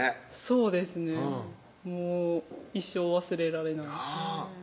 そうですねもう一生忘れられないなっ